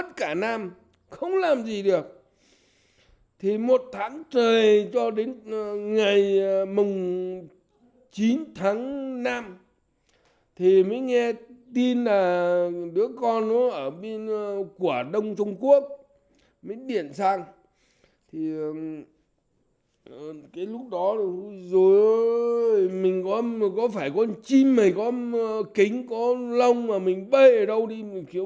thủ đoàn của các đối tượng mua bán người không hề mới